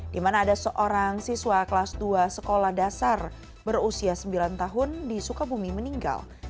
di mana ada seorang siswa kelas dua sekolah dasar berusia sembilan tahun di sukabumi meninggal